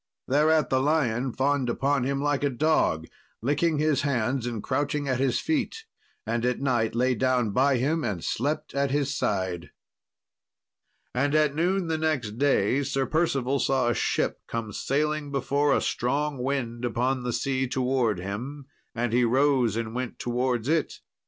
Thereat the lion fawned upon him like a dog, licking his hands, and crouching at his feet, and at night lay down by him and slept at his side. And at noon the next day Sir Percival saw a ship come sailing before a strong wind upon the sea towards him, and he rose and went towards it.